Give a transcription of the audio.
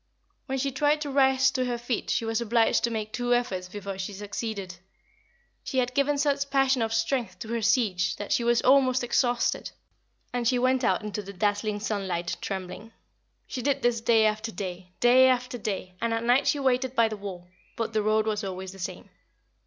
When she tried to rise to her feet she was obliged to make two efforts before she succeeded. She had given such a passion of strength to her siege that she was almost exhausted, and she went out into the dazzling sunlight trembling. She did this day after day, day after day, and at night she waited by the wall, but the road was always the same.